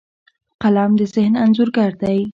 قلم د ذهن انځورګر دی